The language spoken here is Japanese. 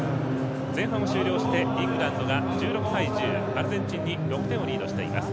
前半終了して、イングランドが１６対１０、アルゼンチンに６点をリードしています。